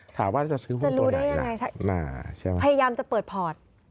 ถามว่าจะซื้อหุ้นตัวได้ยังไงพยายามจะเปิดพอร์ต